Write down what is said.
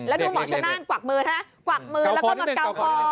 แล้วดูหมอชนนั่นกวักมือใช่ไหมกวักมือแล้วก็มาเกาคอ